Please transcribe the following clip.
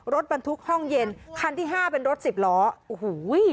รถบรรทุกห้องเย็นคันที่ห้าเป็นรถสิบล้อโอ้โห